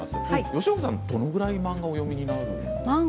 吉岡さんどれぐらい漫画をお読みになるんですか。